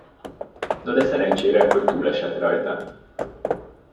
No de szerencsére, hogy túlesett rajta.